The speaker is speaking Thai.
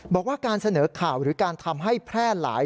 บอกว่าการเสนอข่าวหรือการทำให้แพร่หลาย